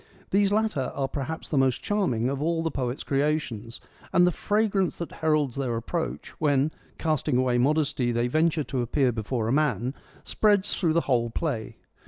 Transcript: These latter are perhaps the most charming of all the poet's creations, and the fragrance that heralds their approach, when, casting away modesty, they venture to appear before a man, spreads through the whole play.